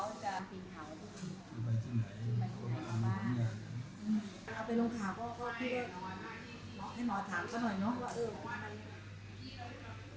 พอจะขึ้นยอดโชคกำหนดขึ้นยอดของเขาจะกลับไปที่ไหนแล้ว